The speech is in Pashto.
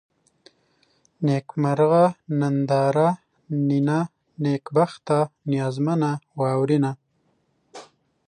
نېکمرغه ، ننداره ، نينه ، نېکبخته ، نيازمنه ، واورېنه